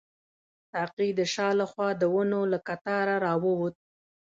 ساقي د شا له خوا د ونو له قطاره راووت.